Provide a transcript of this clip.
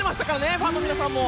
ファンの皆さんも。